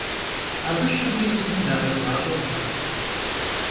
Абы щхьэкӏэ цӏыхум закъебгъащӏэ хъурэ?